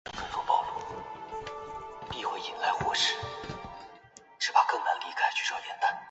比利猿里的一种大型灵长类猿类动物或另一种传说生物。